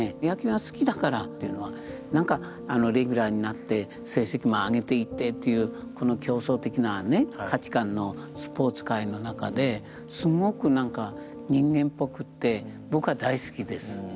野球が好きだからっていうのはなんかレギュラーになって成績も上げていってというこの競争的なね価値観のスポーツ界の中ですごくなんか人間ぽくって僕は大好きです。